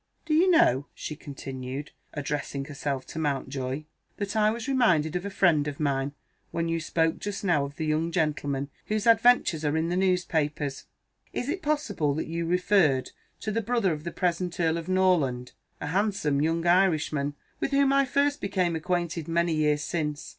Do you know," she continued, addressing herself to Mountjoy, "that I was reminded of a friend of mine, when you spoke just now of the young gentleman whose adventures are in the newspapers. Is it possible that you referred to the brother of the present Earl of Norland? A handsome young Irishman with whom I first became acquainted many years since.